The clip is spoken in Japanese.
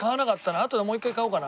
あとでもう一回買おうかな。